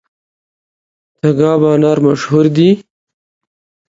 تګاب انار مشهور دي؟